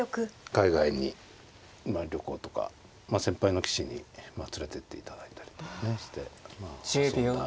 海外に旅行とか先輩の棋士に連れてっていただいたりとかしてまあ遊んだ。